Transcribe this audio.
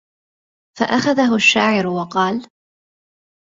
فَأَخَذَهُ الشَّاعِرُ وَقَالَ